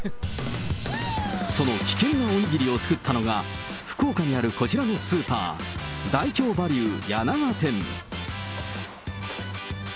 その危険なおにぎりを作ったのが、福岡にあるこちらのスーパー、ダイキョーバリュー弥永店。